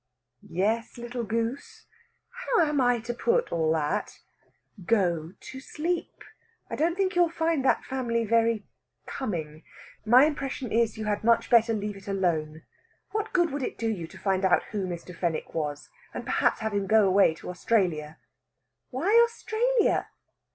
"Yes, little goose." "How am I to put all that?" "Go to sleep! I don't think you'll find that family very coming. My impression is you had much better leave it alone. What good would it do you to find out who Mr. Fenwick was? And perhaps have him go away to Australia!" "Why Australia?"